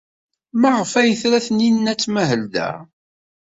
Maɣef ay tra Taninna ad tmahel da?